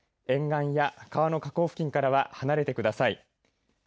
沿岸や川の河口付近からは離れてください。